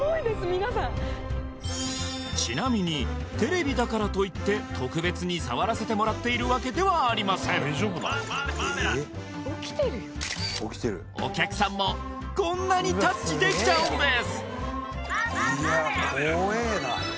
皆さんちなみにテレビだからといって特別に触らせてもらっているわけではありませんお客さんもこんなにタッチできちゃうんです